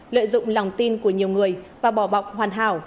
lợi dụng lòng tin của nhiều người và bỏ bọc hoàn hảo